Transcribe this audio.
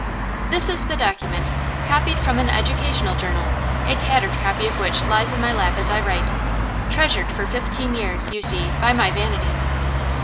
This is the document, copied from an educational journal, a tattered copy of which lies in my lap as I write treasured for fifteen years, you see, by my vanity.